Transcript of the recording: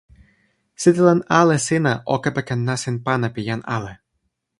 sitelen ale sina o kepeken nasin pana pi jan ale.